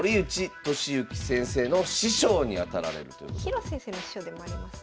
広瀬先生の師匠でもありますね。